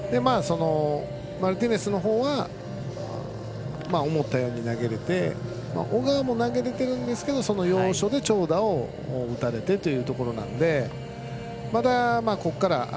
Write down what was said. マルティネスのほうは思ったように投げられていて小川も投げられているんですけれども要所で長打を打たれてというところなのでまだここから。